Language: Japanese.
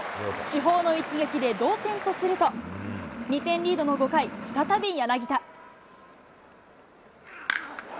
主砲の一撃で同点とすると、２点リードの５回、再び柳田。